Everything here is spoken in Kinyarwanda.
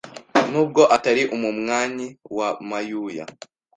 Nubwo atari umumwanyi wa Mayuya